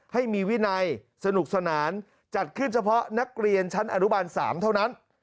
ให้มีวินัยสนุกสนานจัดขึ้นเฉพาะนักเรียนชั้นอนุบาล๓เท่านั้น